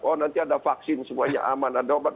oh nanti ada vaksin semuanya aman ada obat